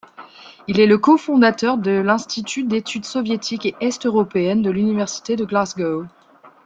Il est le cofondateur de l’Institut d’Etudes Soviétiques et Est-Européennes de l’Université de Glasgow.